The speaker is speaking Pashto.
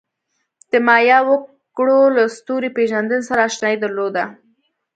د مایا وګړو له ستوري پېژندنې سره آشنایي درلوده.